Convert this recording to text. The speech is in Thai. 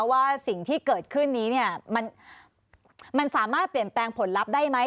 ว่าสิ่งที่เกิดขึ้นนี้เนี่ยมันสามารถเปลี่ยนแปลงผลลัพธ์ได้ไหม